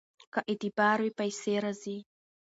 که اعتبار وي پیسې راځي.